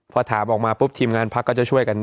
พอถามออกมาปุ๊บทีมงานพักก็จะช่วยกัน